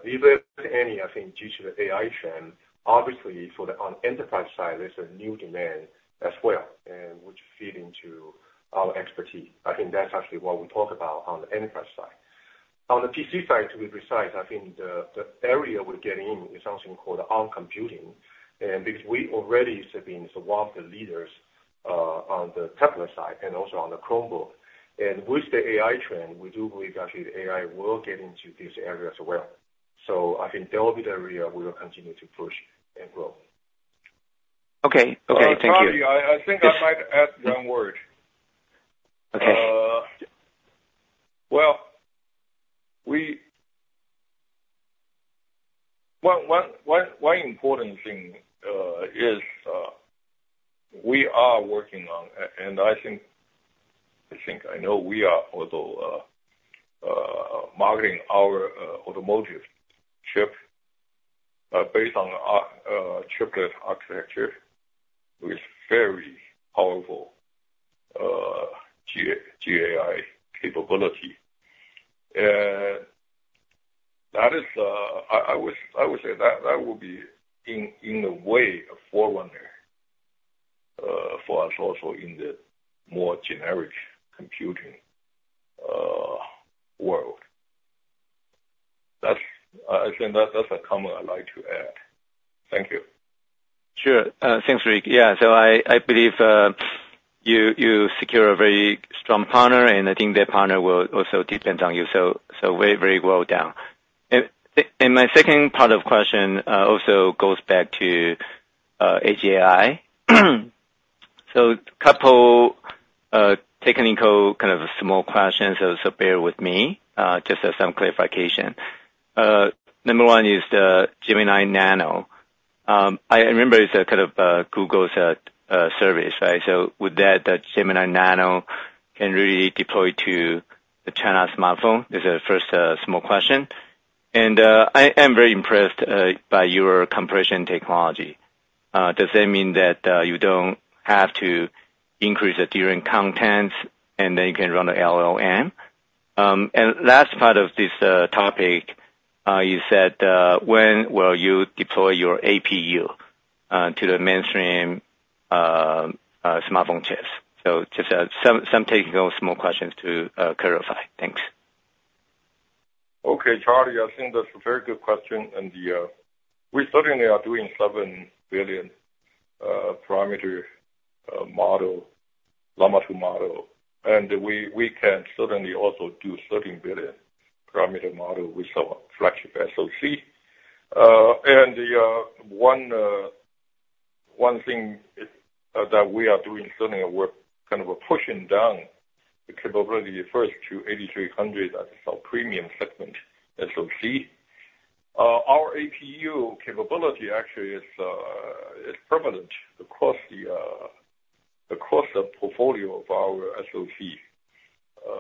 if there's any, I think, due to the AI trend, obviously for the on enterprise side, there's a new demand as well, and which feed into our expertise. I think that's actually what we talked about on the enterprise side. On the PC side, to be precise, I think the area we're getting in is something called Arm computing. And because we already have been one of the leaders on the tablet side and also on the Chromebook, and with the AI trend, we do believe actually the AI will get into this area as well. I think that will be the area we will continue to push and grow. Okay. Okay, thank you. Charlie, I think I might add one word. Okay. Well, we... One important thing is we are working on—and I think I know we are also marketing our automotive chip based on chiplet architecture, with very powerful GAI capability. That is, I would say that that will be in a way a forerunner for us also in the more generic computing world. That's, I think, that's a comment I'd like to add. Thank you. Sure. Thanks, Rick. Yeah. So I believe you secure a very strong partner, and I think that partner will also depend on you, so very, very well done. And my second part of question also goes back to AGI. So couple technical, kind of, small questions, so bear with me, just as some clarification. Number one is the Gemini Nano. I remember it's a kind of Google's service, right? So with that, the Gemini Nano can really deploy to the China smartphone? This is the first small question. And I, I'm very impressed by your compression technology. Does that mean that you don't have to increase the DRAM contents, and then you can run the LLM? Last part of this topic, you said, when will you deploy your APU to the mainstream smartphone chips? Just some technical small questions to clarify. Thanks. Okay, Charlie, I think that's a very good question, and, yeah, we certainly are doing 7 billion parameter model, Llama 2 model, and we, we can certainly also do 13 billion parameter model with our flagship SoC. And the one thing is that we are doing, certainly we're kind of pushing down the capability first to 8300 at the premium segment SoC. Our APU capability actually is prevalent across the portfolio of our SoC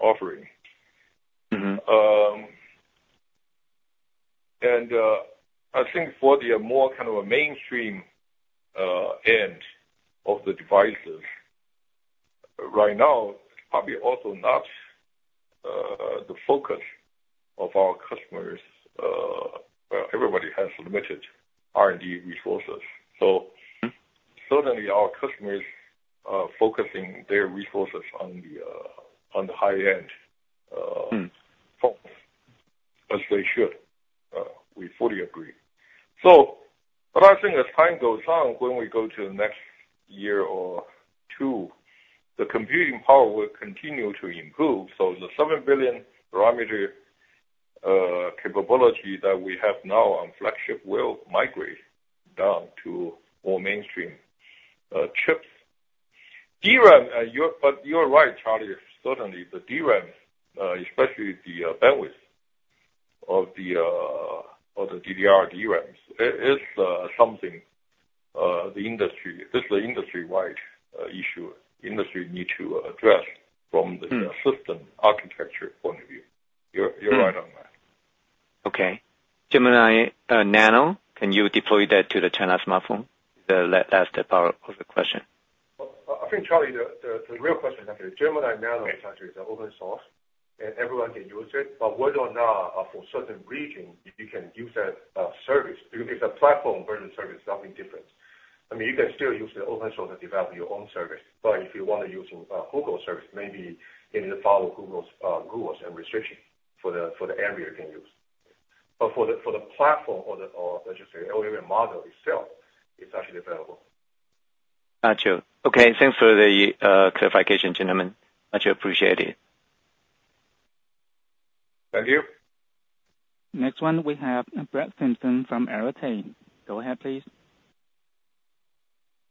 offering. Mm-hmm. I think for the more kind of a mainstream end of the devices, right now, probably also not the focus of our customers. Well, everybody has limited R&D resources. So- Mm. Certainly our customers are focusing their resources on the, on the high-end, Mm... focus, as they should. We fully agree. So but I think as time goes on, when we go to the next year or two, the computing power will continue to improve. So the 7 billion parameter capability that we have now on flagship will migrate down to more mainstream chips. DRAM, you're right, Charlie, certainly the DRAM, especially the bandwidth of the DDR DRAMs, it is something the industry... It's an industry-wide issue, industry need to address from the- Mm. System architecture point of view. You're, you're right on that. Okay. Gemini Nano, can you deploy that to the China smartphone? The last part of the question. I think, Charlie, the real question, okay, Gemini Nano is actually an open source, and everyone can use it, but whether or not for certain regions, you can use that service, because it's a platform version service, nothing different. I mean, you can still use the open source to develop your own service, but if you want to use Google service, maybe you need to follow Google's rules and restrictions for the area you can use. But for the platform or the, or let's just say, LLM model itself, it's actually available. ... Got you. Okay, thanks for the clarification, gentlemen. Much appreciated. Thank you. Next one, we have Brett Simpson from Arete. Go ahead, please.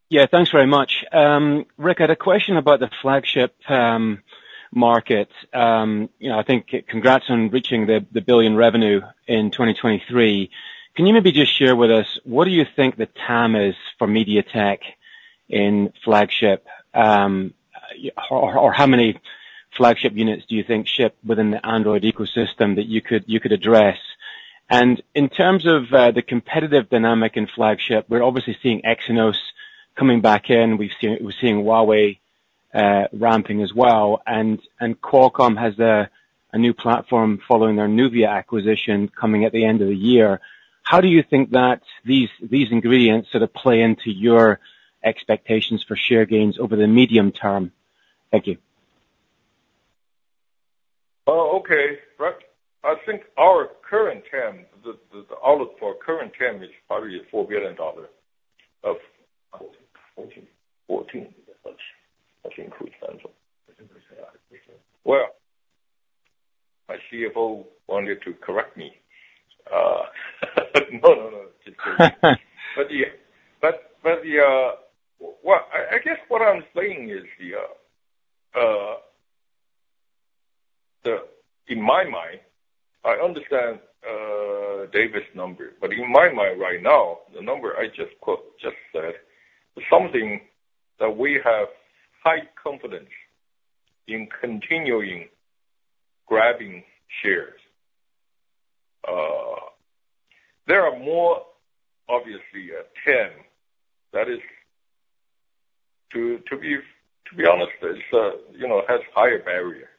Yeah, thanks very much. Rick, I had a question about the flagship market. You know, I think congrats on reaching the $1 billion revenue in 2023. Can you maybe just share with us, what do you think the TAM is for MediaTek in flagship? Or how many flagship units do you think ship within the Android ecosystem that you could address? And in terms of the competitive dynamic in flagship, we're obviously seeing Exynos coming back in. We've seen, we're seeing Huawei ramping as well, and Qualcomm has a new platform following their Nuvia acquisition coming at the end of the year. How do you think that these ingredients sort of play into your expectations for share gains over the medium term? Thank you. Okay, Brett. I think our current TAM, the outlook for our current TAM is probably $4 billion of 14, 14. Well, my CFO wanted to correct me. No, no, no. Well, I guess what I'm saying is, in my mind, I understand David's number, but in my mind right now, the number I just quote, just said, is something that we have high confidence in continuing grabbing shares. There are more obviously a TAM, that is, to be honest, it's, you know, has higher barrier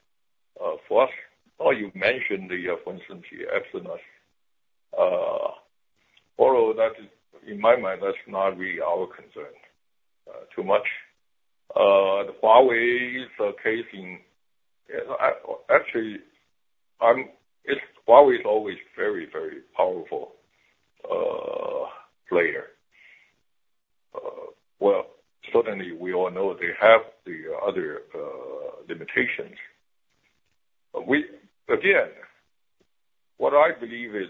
for us. Oh, you mentioned, for instance, the Exynos. Although that is, in my mind, that's not really our concern too much. The Huawei's case in... Actually, it's Huawei is always very, very powerful player. Well, certainly we all know they have the other limitations. But again, what I believe is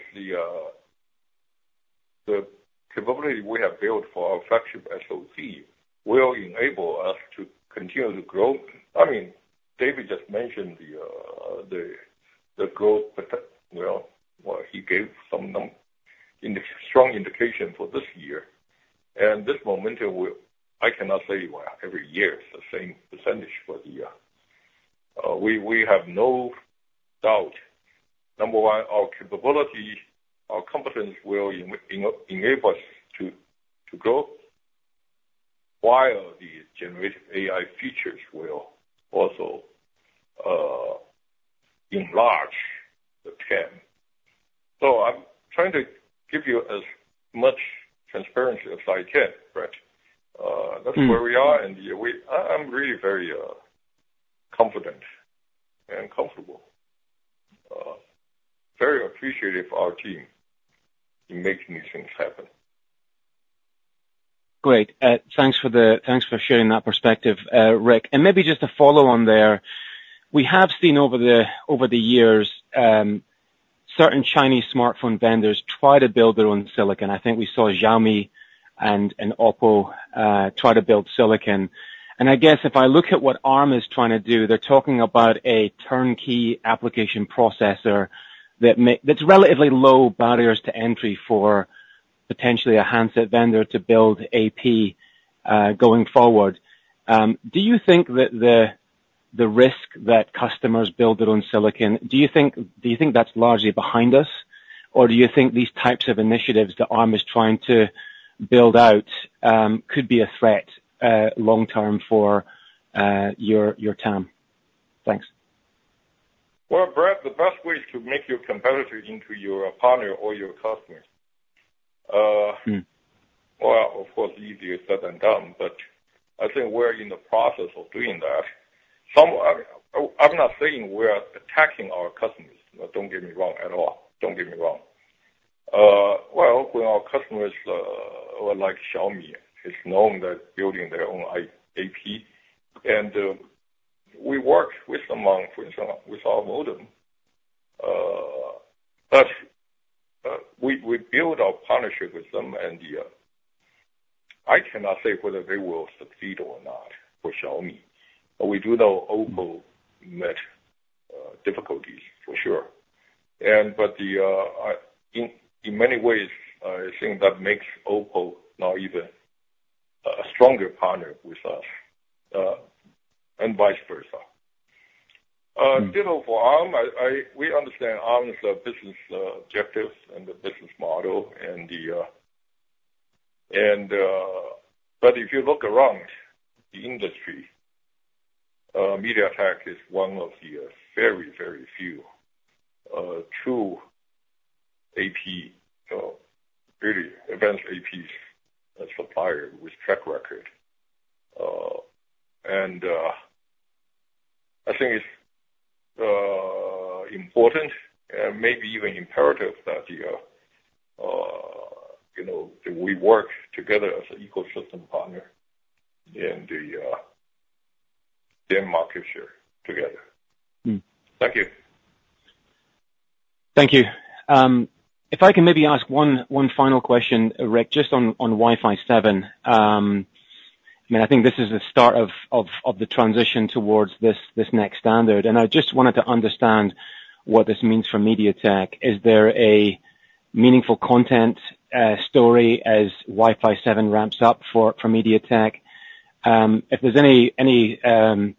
the capability we have built for our flagship SoC will enable us to continue to grow. I mean, David just mentioned the growth potential. Well, he gave some strong indication for this year, and this momentum will... I cannot say, well, every year, it's the same percentage for the... We have no doubt, number one, our capability, our competence will enable us to grow, while the Generative AI features will also enlarge the TAM. So I'm trying to give you as much transparency as I can, Brett. Mm. That's where we are, and yeah, I'm really very confident and comfortable, very appreciative of our team in making these things happen. Great. Thanks for the- thanks for sharing that perspective, Rick. And maybe just to follow on there, we have seen over the years, certain Chinese smartphone vendors try to build their own silicon. I think we saw Xiaomi and OPPO try to build silicon. And I guess if I look at what Arm is trying to do, they're talking about a turnkey application processor that's relatively low barriers to entry for potentially a handset vendor to build AP going forward. Do you think that the risk that customers build their own silicon, do you think that's largely behind us? Or do you think these types of initiatives that Arm is trying to build out could be a threat long term for your TAM? Thanks. Well, Brett, the best way is to make your competitor into your partner or your customer. Hmm. Well, of course, easier said than done, but I think we're in the process of doing that. I'm not saying we are attacking our customers. Don't get me wrong at all. Don't get me wrong. Well, when our customers, like Xiaomi, it's known they're building their own AP, and we work with them on, for instance, with our modem. But we build our partnership with them, and yeah, I cannot say whether they will succeed or not for Xiaomi, but we do know OPPO met difficulties for sure. But in many ways, I think that makes OPPO now even a stronger partner with us, and vice versa. You know, for Arm, we understand Arm's business objectives and the business model and the... But if you look around the industry, MediaTek is one of the very, very few true AP, so really advanced APs supplier with track record. I think it's important, and maybe even imperative that, you know, that we work together as an ecosystem partner in the in market share together. Mm. Thank you. Thank you. If I can maybe ask one final question, Rick, just on Wi-Fi 7. I mean, I think this is the start of the transition towards this next standard, and I just wanted to understand what this means for MediaTek. Is there a meaningful content story as Wi-Fi 7 ramps up for MediaTek? If there's any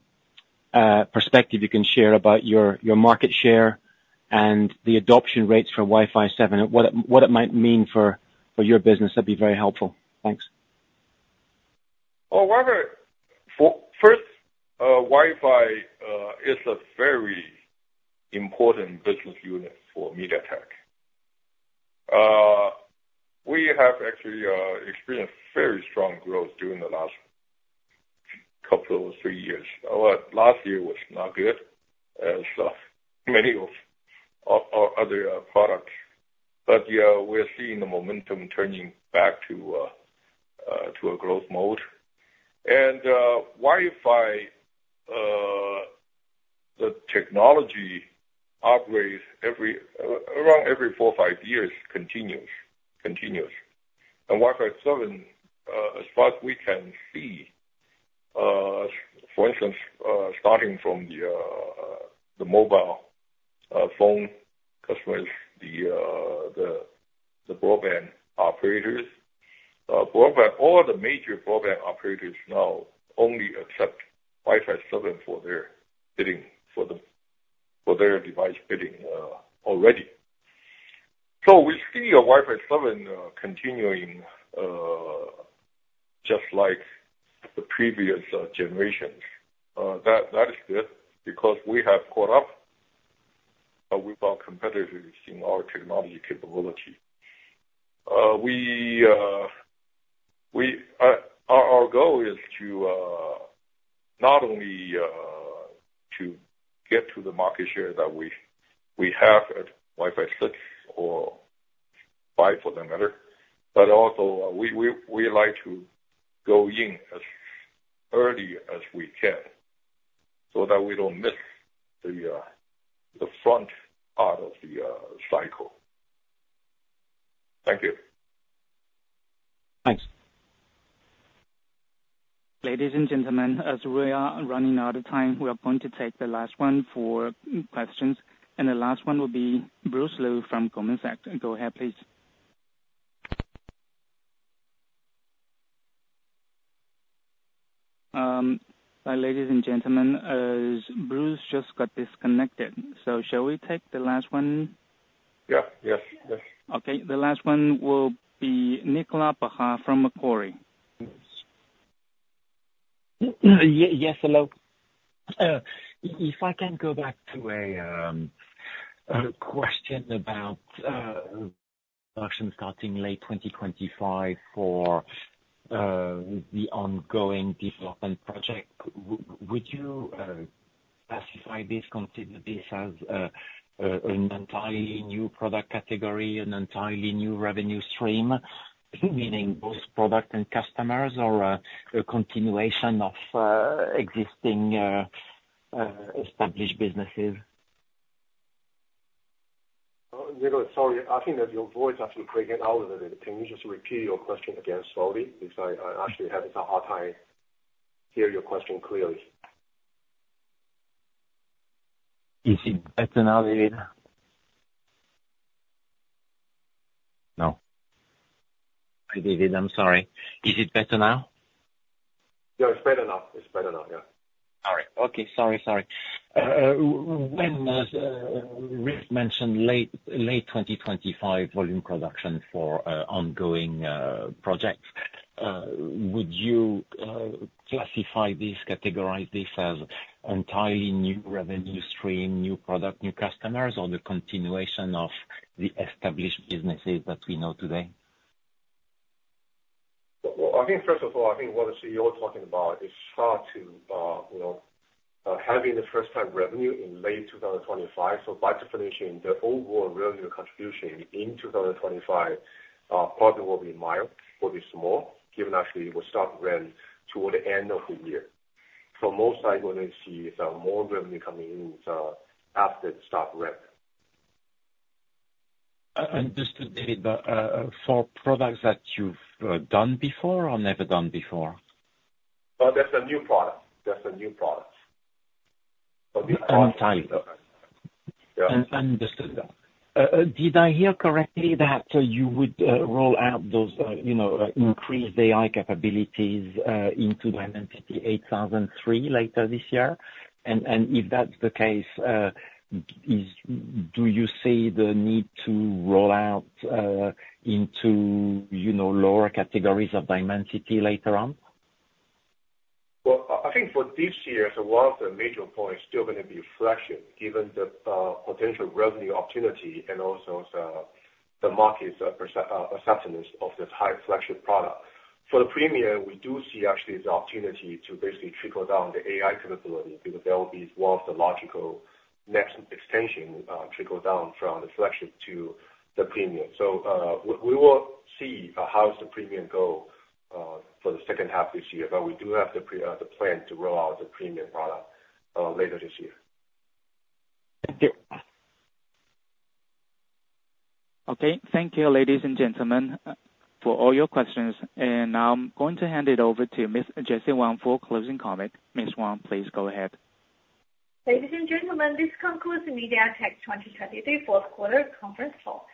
perspective you can share about your market share and the adoption rates for Wi-Fi 7, and what it might mean for your business, that'd be very helpful. Thanks. Well, Robert, first, Wi-Fi is a very important business unit for MediaTek. We have actually experienced very strong growth during the last couple or three years. Our last year was not good, as many of our other products, but, yeah, we're seeing the momentum turning back to a growth mode. And Wi-Fi, the technology operates every around every four, five years, continuous, continuous. And Wi-Fi 7, as far as we can see, for instance, starting from the mobile phone customers, the broadband operators. Broadband, all the major broadband operators now only accept Wi-Fi 7 for their bidding, for the, for their device bidding, already. So we see a Wi-Fi 7 continuing just like the previous generations. That is good, because we have caught up with our competitors in our technology capability. Our goal is to not only get to the market share that we have at Wi-Fi 6 or 5 for that matter, but also we like to go in as early as we can so that we don't miss the front part of the cycle. Thank you. Thanks. Ladies and gentlemen, as we are running out of time, we are going to take the last one for questions, and the last one will be Bruce Lu from Goldman Sachs. Go ahead, please. Ladies and gentlemen, Bruce just got disconnected, so shall we take the last one? Yeah. Yes, yes. Okay, the last one will be Nicolas Baratte from Macquarie. Yes, hello. If I can go back to a, a question about production starting late 2025 for the ongoing development project, would you classify this, consider this as an entirely new product category, an entirely new revenue stream, meaning both product and customers, or a continuation of existing established businesses? Nicolas, sorry, I think that your voice actually breaking out a little bit. Can you just repeat your question again slowly? Because I actually having a hard time hear your question clearly. Is it better now, David? No. Hi, David, I'm sorry. Is it better now? Yeah, it's better now. It's better now, yeah. All right. Okay. Sorry, sorry. When, as Rick mentioned, late 2025 volume production for ongoing projects, would you classify this, categorize this as entirely new revenue stream, new product, new customers, or the continuation of the established businesses that we know today? Well, I think first of all, I think what actually you're talking about is hard to, you know, having the first time revenue in late 2025. So by definition, the overall revenue contribution in 2025, probably will be mild, will be small, given actually it will start to run toward the end of the year. So most likely going to see some more revenue coming in, after the start ramp. Understood, David, but for products that you've done before or never done before? That's a new product. That's a new product. Entirely. Yeah. Understood. Did I hear correctly that you would roll out those, you know, increased AI capabilities into Dimensity 8300 later this year? And if that's the case, do you see the need to roll out into, you know, lower categories of Dimensity later on? Well, I think for this year, so one of the major points still gonna be flagship, given the potential revenue opportunity and also the market's assessment of this high flagship product. For the premium, we do see actually the opportunity to basically trickle down the AI capability, because that will be one of the logical next extension, trickle down from the flagship to the premium. So, we will see how is the premium go for the second half this year, but we do have the plan to roll out the premium product later this year. Thank you. Okay. Thank you, ladies and gentlemen, for all your questions. I'm going to hand it over to Miss Jessie Wang for closing comment. Miss Wang, please go ahead. Ladies and gentlemen, this concludes the MediaTek 2023 fourth quarter conference call.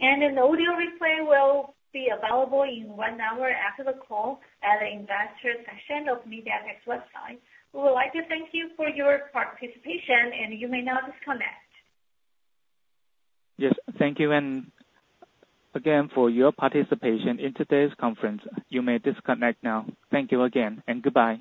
An audio replay will be available in one hour after the call at the investor section of MediaTek's website. We would like to thank you for your participation, and you may now disconnect. Yes, thank you, and again, for your participation in today's conference. You may disconnect now. Thank you again, and goodbye.